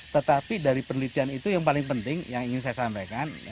tetapi dari penelitian itu yang paling penting yang ingin saya sampaikan